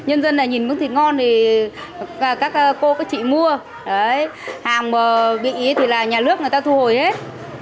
nhân dân này nhìn bức thịt ngon thì các cô các chị mua hàng bị thì là nhà nước người ta thu hồi hết